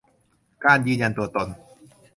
การยืนยันตัวตน